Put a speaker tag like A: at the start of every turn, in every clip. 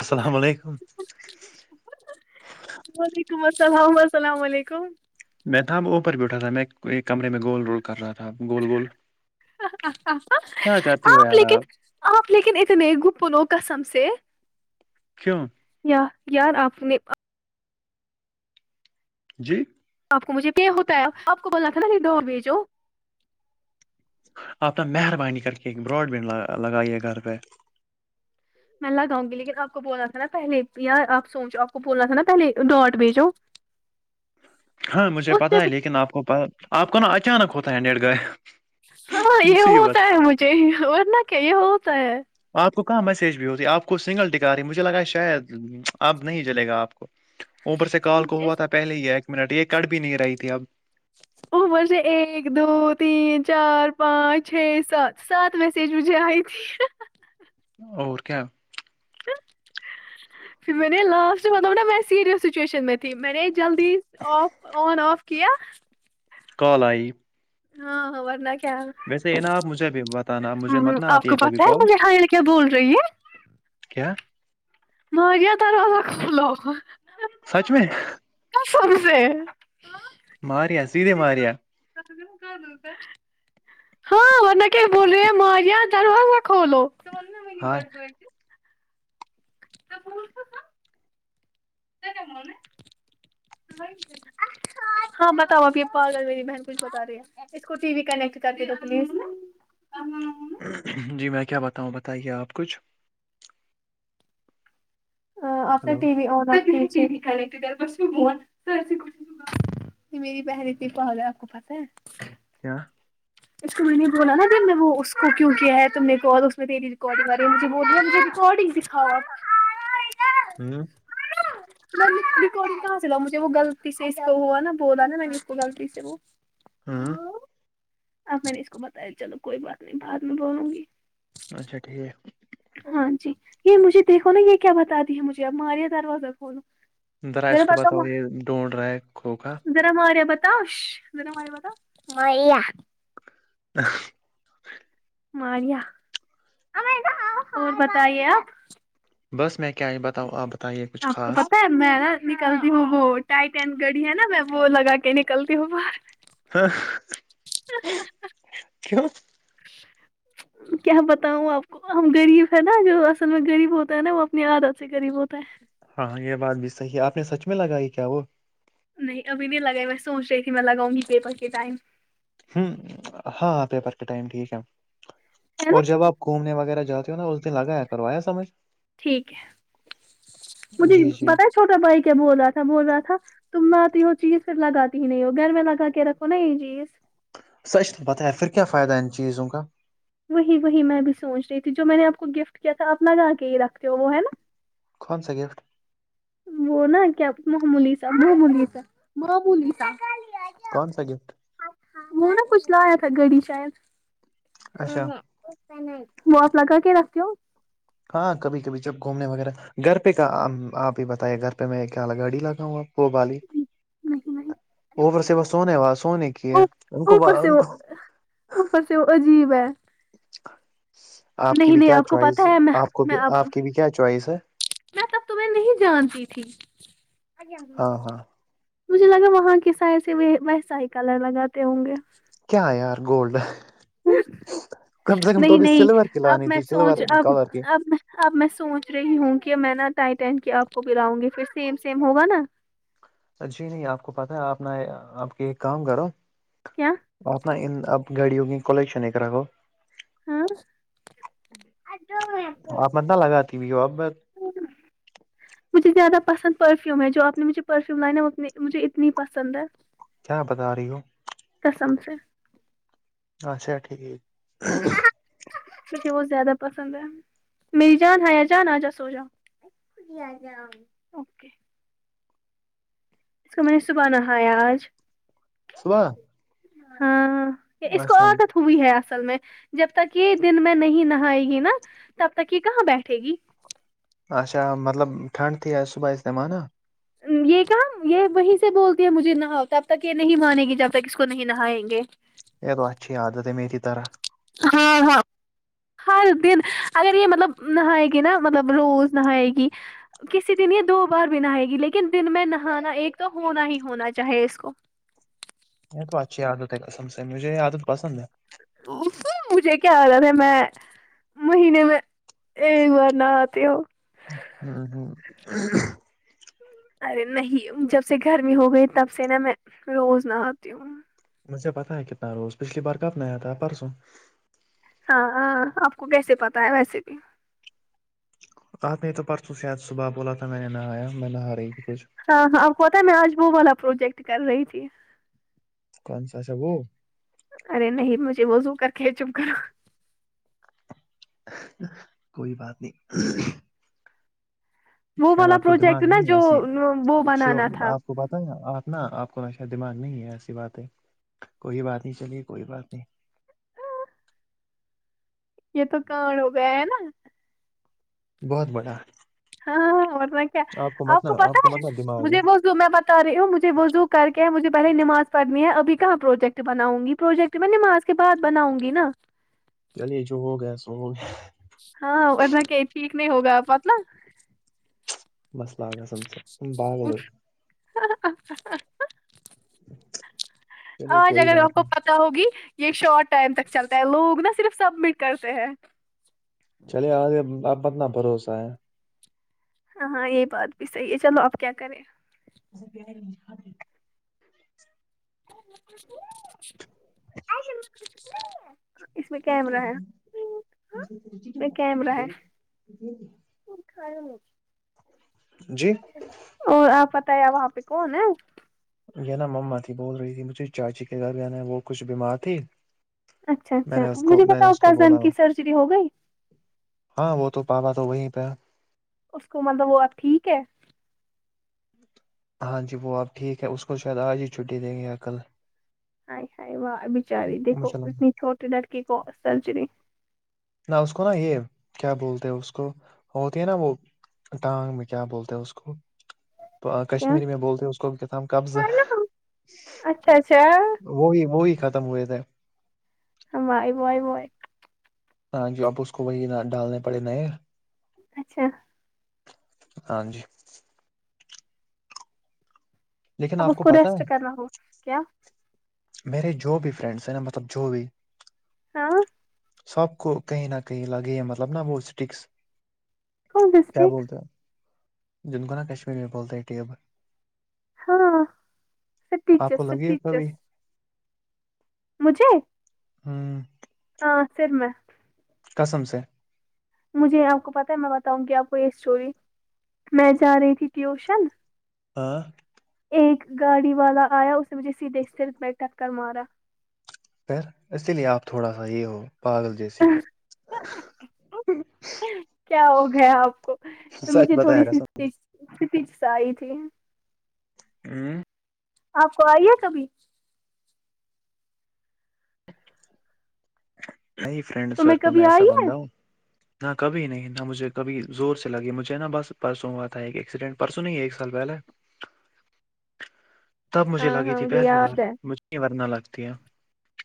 A: السلام علیکم
B: وعلیکم السلام السلام علیکم
A: میں تھا اب اوپر پہ اٹھا تھا میں ایک کمرے میں گول رول کر رہا تھا گول گول کیا کرتی ہو
B: آپ
A: یار
B: لیکن
A: آپ
B: آپ لیکن اتنے گپتنو کسم سے
A: چوںون
B: یاار یار آپ نے
A: جی
B: آپ کو مجھے یہ ہوتا ہے آپ کو بولنا تھا نا دو و جوو
A: آپ نے مہربانی کر کے ایک براڈ بینڈ لگائیے گھر پہ
B: میں لگاؤں گی لیکن آپ کو بولنا تھا نا پہل یا آپ سوچو آپ کو بولنا تھا نا پہلے ڈاٹ بیجو
A: [inaudible] ہاں مجھے پتا ہے
B: سے
A: لیکن آپ کو آپ کو نا اچانک ہوتا ہے نیٹ گائے
B: ہاں یہ ہوتا ہے مجھے ورنہ کیا یہ ہوتا ہے
A: آپ کو کہاں میسج بھی ہوتی ہے آپ کو سنگل ٹکا رہی مجھے لگا ہے شاید اب نہیں جلے گا آپ کو اومپر سے کال کو ہوا تھا پہلے ہی ایک منٹ یہ کٹ بھی نہیں رہی تھی اب
B: عمر سے ایک دو تین چار پانچ چھ سات سات میسج مجھے آئی تھی
A: اور کیا
B: پھر میں نے لاسٹ متا نا میں سیریس سچویشن میں تھی میں نے جلدی آف آن آف کیا
A: کال آائی
B: ہاں ورنہ کیا
A: ویسے ہے نا آپ مجھے بتانا مجھے
B: ہمم
A: مت نہ
B: آپ
A: آتی
B: کو
A: ہے کبھی
B: پتہ
A: کال
B: مجھے حائل کیا بول رہی ہے
A: کیا
B: ن گیا تور را ک لو
A: سچ میں
B: سر سےے
A: ماریا سیدھے ماریا
B: س ہوگ د ہوتا ہاں ورن کیا بول رہی دروازہ کھولو
A: ہائے [inaudible]
B: [unintelligible] ہاں بتاؤ ابھی پال میری بہن کچھ بتا رہی ہے اس کو ٹی وی کنیکٹ کر کے دو پلیز
A: جی میں کیا بتاؤں بتائیے آپ کچھ
B: ا آ نے
A: ہلو
B: ٹی وی آن رھی ای میری بہن پ کوال ہے آپ کو پاس ہے
A: کیا
B: اس کو میں نے بولا نا میں وہ اس کو کیوں کیا ہے تم میرے کو اور اس میں تیری ریکارڈگ آ رہی ہے مجھ بول رہ مے ریکارڈنگ پھااب
A: [inaudible] ہوں [inaudible]
B: میں نے کہاں سےلا مجھے وہ غلط سے کو ہوا نا بولا نا میں نے اس کو غلطی سے وہ [unintelligible]
A: ہوں
B: ہاں آپ میں نے اس کو بتایا چلو کوئی بات نہیں بعات میں بولوں گی [unintelligible]
A: اچھا ٹھیک
B: ہاں جی یہ مجھے دیکھو نا یہ کیا بتا دی ہے مجھے اب ماریا دروازہ کھولو [unintelligible]
A: ذرا اس کو بتاؤ یہ ڈھونڈ رہا ہے کھو کاا
B: درم آارے بتاؤ زرمارے بتاؤ [unintelligible]
A: ا [unintelligible]
B: میا اور بتائیے آپ [unintelligible]
A: بس میں کیا یہ بتاؤں آپ بتائیے کچھ
B: آپ کو
A: خاص
B: پتا ہے میں نا نکلتی ہوں وہ ٹائٹین گڑی ہے نا میں وہ لگا کے نکلتی ہوں وہ
A: ہاں [unintelligible]
B: [inaudible]
A: ہ [unintelligible]
B: کیا بتاؤں آپ کو ہم غریب ہے نا جو اصل میں غریب ہوتا ہے نا وہ اپنی عادت سے غریب ہوتا ہے
A: ہاں ہاں یہ بات بھی صحیح ہے آپ نے سچ میں لگائی کیا وہ
B: نہیں اب بھی لگائی میں سوچ رہی تھی میں لگاؤں گی پیپر کے ٹائم
A: ہوں ہاں پیپر کے ٹائم ٹھیک ہے
B: ہے نا
A: اور جب آپ گھومنے وغیرہ جاتے ہو نا اس دن آگایا کرو آیا سمجھ
B: ٹھیک ہے مجھے
A: جی جی
B: بت ہے چھوٹا بھائی کیا بول رہا تھا بول رہا تھا تم نہ آتی ہو چیز پھر لگاتی ہی نہیں ہو گھر میں لگا کے رکھو نا یہ چیز
A: سچ تو پتاہ ہے پھر کیا فائدہ ان چیزوں کا
B: وہی وہی میں بھی سوچ رہی تھی جو میں نے آپ کو گفٹ کیا تھا آپ نگا کے ہی رکھتے ہو وہ ہے نا
A: کون سا گفٹ
B: وہ نا کیا محمولی صاحب مم صاحب مملی صاحب
A: کون سا گفٹ
B: وہ نہا کچھ لایا تھا گڑی شاید
A: اچھا
B: نہیں نہیں وہ آپ لگا کے رکھتے ہو [unintelligible]
A: ہاں کبھی کبھی جب گھومنے وغیرہ گھر پہ کیا آپ ہی بتائیے گھر پہ میں کیا گاڑی لگاؤں آپ وہ بی
B: نہیں
A: اوبر سے بس سونے واہ سونے کی
B: ا
A: ہے ان کو
B: اوپر سے
A: ان
B: وہ
A: کو
B: اوپر سے وہ عجیب ہے
A: آپ کی
B: نہیں
A: بھی
B: نہیں
A: کیا
B: کو پتا
A: چوائس
B: ہے میں
A: آپ کو
B: میں
A: بھی آپ کی بھی کیا چوائس ہے
B: میں تب تمہیں نہیں جانتی تھی [unintelligible]
A: ہاں ہاں
B: مجھے لگا وہاں کے سائے سے ویسا ہی کلر لگاتے ہوں گے
A: کیا یار گولڈ کم سے کم تو
B: نہیں
A: بھی
B: نہیں
A: سلور کی
B: اب
A: لانی
B: میں
A: تھی
B: سوچ
A: سلور
B: اب
A: کلر کی
B: اب میں اب میں سوچ رہی ہوں کہ میں نا ٹائیٹین کے آپ کو بلاؤں گی پھر سیم سیم ہوگا نا
A: جی نہیں آپ کو پتہ ہے اپنا آپ کے ایک کام کرو
B: کیا
A: اپنا اب گاڑیوں کی کلیکشن ایک را گو
B: ہاں
A: آپ میںت نہ لگاتی بھی وہ ا [inaudible]
B: مجھے زیادہ پسند پرفیوم ہے جو آپ نے مجھے پرفیوم لا مجھے اتنی پسند ہے
A: کیا بتا رہی ہو
B: قسم سے
A: اچھا ٹھیک
B: مجھے بہت زیادہ پسند ہے [unintelligible] میری جان آ جان آ جا سو جاک اس کو میں نے صبحان آیا آج
A: صبح
B: ہاں اس کو
A: اچھا
B: اور ہوئی ہے اصل میں جب تک یہ دن میں نہیں نہائے گی نا تب تک یہ کہاں بیٹھے گی
A: اچا مطلب ٹھنڈ ت ہی آ صبح ا اس دم نا
B: یہ کہم یہ وہیں سے بولتی ہے مجھے نہا ہوتا اب تک یہ نہیں مانے گی جب تک اس کو نہیں نہائیں گے
A: یہ تو اچھی عادت ہے میری طرح
B: ہاں ہاں ہر دن اگر یہ مطلب نائے گی نا مطلب روز نائے گی کسی دن یہ دو بار بھی نہائے گی لیکن دن میں نہانا ایک تو ہونا ہی ہونا چاہے اس کو
A: یہ تو اچھی عادت ہے کسم سے مجھے یہ عادت پسند ہے
B: مجھے کیا آا تھا میں مہینے میں ایک بار نہ آتے ہو
A: ہاں ہاں
B: ارے نہیں جب سے گرمی ہو گئی تب سے نا میں روز نہ آتی ہوں
A: مجھے پتاہ ہے کتنا روز پچھلی بار کب نہیں آیا تھا پرسوں
B: ہاں ہاں آپ کو کیسے پتا ہے ویسے بھی
A: آ نہیں تو پرسوں شاید صبح بولا تھا میں نے نہایا میں نہ ہ رہی تھی کچھ
B: ہاں ہاں ا پتا ہے میں آجبو والا پروجیکٹ کر رہی تھی
A: کون سا سا وہ
B: ارے نہیں مجھے وہزو کر کے چپ کرو
A: کوئی بات نہیں
B: وہ
A: شاید
B: والا
A: آپ کو
B: پروجیکٹ
A: دماغ
B: نا جو وہ بنانا تھا
A: آ کو پتہ ہے آپ نا آپ کو نا شاید دماغ نہیں ہے ایسی بات ہے کوئی بات نہیں چلیے کوئی بات نہیں
B: یہ تو کان ہو گیا ہے نا
A: بہت بڑا
B: ہاں ہاں ورنہ کیا آپ کو پتا ہے مجھے ب میں بتا رہی ہوں مجھے وہ زو کر کے ہے مجھے پہے نماز پڑھنی ہے ابھی کہاں پروجیکٹ بناؤں گی پروجیکٹ تو میں نماز کے بات بناؤں گی نا
A: چلیے جو ہو گیا سو ہو گ
B: ہاں انا کہ ٹھیک نہیں ہوگا پت ن
A: بس باگسم سے بگلور چلیے
B: آج
A: کوئی
B: اگر آ
A: بات
B: کو
A: نہیں
B: پ ہوگی یہ شارٹ ٹائم تک چلتا ہے لوگ نا صرف سبمٹ کرتے ہیں
A: چلیے آگے آپ کتنا بھروسہ ہے
B: ہاںاں یہی بات بھی صحیح ہے چلو آپ کیا کریں
A: اے پے نہیں
B: ا اس میں کیمرا ہے اس میں کیمرا ہے
A: بالکل
B: ک کھ میں
A: جی
B: اور آپ بت وہاں پہ کون ہے
A: نا مما تھی بول رہی تھی مجھے چاچی کے گھر بھی نا وہ کچھ بیمار تھی
B: اچھا
A: میں
B: اچھا
A: نے اس کو
B: مجھے
A: میں نے
B: بتاؤ
A: اس کو بولا
B: کزن کی سرجری ہو گئی
A: ہاں وہ تو پاپا تو وہیں پہ
B: اس کو مطلب وہ آپ ٹھیک ہے
A: ہاں جی وہ آپ ٹھیک ہے اس کو شاید آج ہی چھٹی دیں گے یا کل
B: ہائے ہائے وہ بچاری دیکھو
A: مجھے لگا
B: اتنی چھوٹی لڑکی کو سرجری
A: نہ اس کو نا یہ کیا بولتے ہیں اس کو ہوتی ہے نا وہ ٹانگ میں کیا بولتے ہیں اس کو
B: کیا
A: کشمیری میں بولتے اس کو کیا تھا قبض
B: اچھا اچھا
A: وہی وہی ختم ہوئے تھے
B: ہم آب آب آ
A: ہاں جی اب اس کو وہی ڈالنے پڑے نئے
B: اچھا
A: ہاں جی لیکن
B: اب
A: آپ
B: اس کو
A: پتا
B: ریسٹ
A: ہے
B: کرنا ہو کیا
A: میرے جو بھی فرینڈس ہیں نا مطلب جو بھی
B: ہاں
A: سب کو کہیں نہ کہیں لگے یہ مطلب نہا وہ اسٹکس
B: کون دسے
A: کیا بولتے جن کوناا کشمیری میں بولتے ٹیب
B: ہاں
A: آ کو
B: سٹیچس
A: لگی ہے کبھی
B: سٹیچس مجھے
A: ہاں
B: ہاں سر میںا
A: قسم سے
B: مجھے آپ کو پتاہ ہے میں بتاؤں کہ آپ کو یہ اسٹوری میں جا رہی تھی ٹیوشن
A: ہاں
B: ایک گاڑی والا آیا اس نے مجھے سیدھے ستر بیٹک کر مارا
A: پھر اسی لیے آپ تھوڑا سا یہ ہو پاگل جیسی
B: کیا ہو گیا آپ کو پ
A: سچ
B: مجھے
A: بتایا
B: تھوڑی
A: گا
B: سی
A: سب
B: اسٹیج اس کے پیچ سے آئی تھی
A: ہوں
B: آپ کو آئیے کبھی
A: نہیں فرینڈ
B: تمہیں
A: سرکل
B: کبھی
A: میں ایسا
B: آئی ہے
A: بندہ ہوں نہ کبھی نہیں نہ مجھے کبھی زور سے لگی مجھے نا بس پرسوں ہوا تھا ایکسیڈنٹ پرسوں نہیں ہے ایک سال پہلے تب مجھے
B: ہاں
A: لگی
B: ہاں
A: تھی
B: مجھے
A: پہلی بار
B: یاد ہے
A: مجھے نہیں ورنا لگتی ہے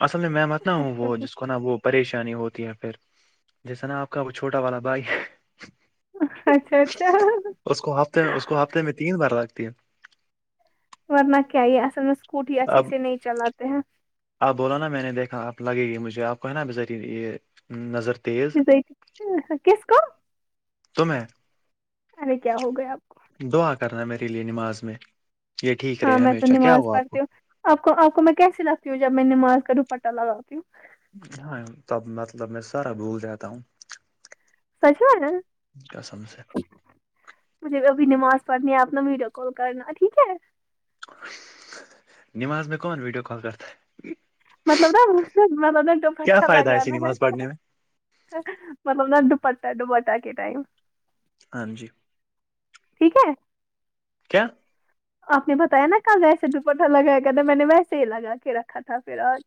A: اصل میں میںمتنا ہوں
B: اچھا
A: وہ
B: اچھا
A: جس کو نام وہ پریشانی ہوتی ہے پھر جیسا نا آپ کا وہ چھوٹا والا بھائی
B: اچھا اچھا
A: اس کو ہفتے میں اس کو ہفتے میں تین بار لگتی ہے
B: ورنہ کیا یہ اصل میں اسکوٹی اچھے
A: اب
B: سے نہیں چلاتے ہیں
A: آپ بولا نا میں نے دیکھا آپ لگے گی مجھے آپ کو ہے نا بری یہ نظر تیز
B: کس کوم
A: تو میںیں
B: ارے کیا ہو گیا آپ کو
A: دعا کرنا میرے لیے نماز میں یہ ٹھیک رہے
B: ہاں میں تو
A: ہمیشہ کیا
B: نماز
A: ہو آپ کو
B: پڑھتی ہوں آپ کو آپ کو میں کیس لگتی ہوں جب میں نے مار کر دوپٹا لگاتی ہوں
A: ہاں تب مطلب میں سارا بھول جاتا ہوں
B: سشو ہے نا
A: قسم سے
B: مجھے ابھی نماز پڑنی ہے اپنا ویڈیو کال کرنا ٹھیک ہے
A: نماز میں کون ویڈو کال کرت
B: مطلب نا مطلب ڈٹ
A: کیا
B: پچا
A: فائدہ ہے
B: لگا
A: ایسی
B: نا
A: نماز پڑھنے میں
B: مطلب نہا دپٹہ دپٹا کے ٹائم
A: ہاں جی
B: ٹھیک ہے
A: کیا
B: آپ نے بتایا نا کل ویسے دوپٹہ لگایا گ تھا میں نے ویسے ہی لگا کے رکھا تھا پھر آج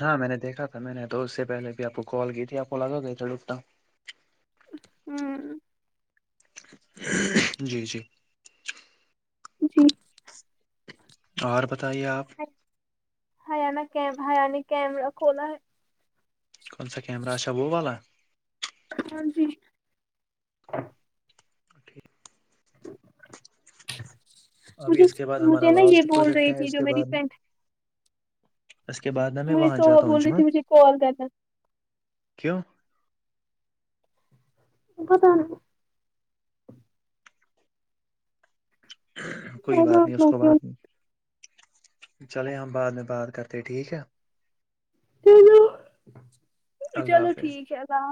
A: ہاں میں نے دیکھا تھا میں نے تو اس سے پہلے بھی آپ کو کال کی تھی آپ کو لگا گیا تھا ڈکتا
B: ہوں
A: جی جی
B: جی
A: اور بتائیے آپ
B: ہان کی ہیاانی کیمرہ کھلا
A: اچھا وہ
B: ہاں جی
A: ٹھیک ابھی
B: مجھے
A: اس کے بعد ہمارا
B: مجھے نا یہ
A: لاسٹ
B: بول
A: پروجیکٹ
B: رہی
A: ہے
B: تھی
A: اس
B: جو
A: کے
B: میری
A: بعد
B: فرینڈ
A: اس کے بعد میں
B: مجھے
A: وہاں
B: سوہا
A: جاتا ہوں
B: بول رہی
A: جمعہ
B: تھی مجھے کال کرنا
A: کیوں
B: پتا نہیں
A: کوئی
B: آئی
A: بات نہیں
B: ڈونٹ
A: اس
B: نو
A: کو
B: کیوں،
A: بولنا چلے ہم بعد میں بات کرتے ٹھیک ہے
B: ہمم ہمم چلو
A: اللہ
B: چلو
A: حافظ
B: ٹھیک ہے ہاں